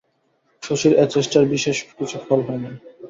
শশীর এ চেষ্টার বিশেষ কিছু ফল হয় নাই।